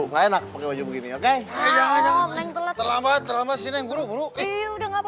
nggak enak pakai baju begini oke jangan terlambat terlambat sini guru guru iya udah nggak